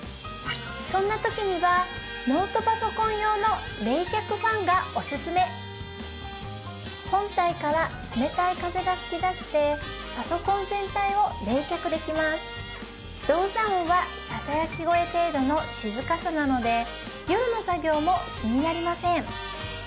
そんなときにはノートパソコン用の冷却ファンがおすすめ本体から冷たい風が吹き出してパソコン全体を冷却できますの静かさなので夜の作業も気になりません